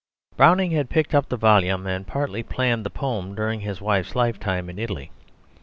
Browning had picked up the volume and partly planned the poem during his wife's lifetime in Italy.